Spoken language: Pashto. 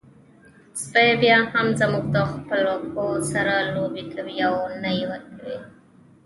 سپی بيا هم زموږ د چپلکو سره لوبې کوي او نه يې ورکوي.